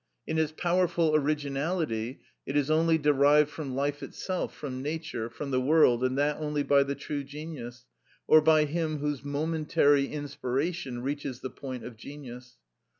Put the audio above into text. In its powerful originality it is only derived from life itself, from nature, from the world, and that only by the true genius, or by him whose momentary inspiration reaches the point of genius.